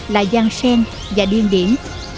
là giang sen và điên điển